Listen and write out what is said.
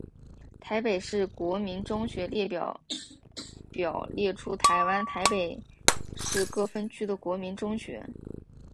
台北市国民中学列表表列出台湾台北市各分区的国民中学。